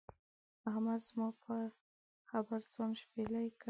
احمد زما پر خبره ځان شپېلی کړ.